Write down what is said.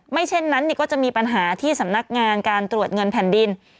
เช่นนั้นก็จะมีปัญหาที่สำนักงานการตรวจเงินแผ่นดิน